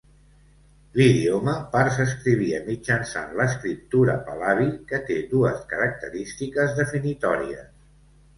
L'idioma part s'escrivia mitjançant l'escriptura pahlavi, que té dues característiques definitòries.